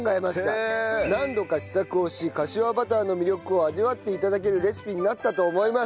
何度か試作をしかしわバターの魅力を味わって頂けるレシピになったと思います。